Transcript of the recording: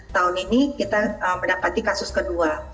tahun ini kita mendapati kasus kedua